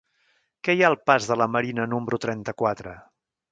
Què hi ha al pas de la Marina número trenta-quatre?